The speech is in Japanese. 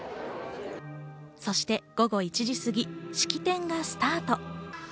そして午後１時すぎ式典がスタート。